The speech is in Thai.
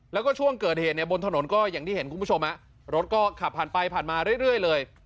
แล้วก็ช่วงเกิดเหตุเนี่ยบนถนนก็อย่างที่เห็นคุณผู้ชมรถก็ขับผ่านไปผ่านมาเรื่อยเลย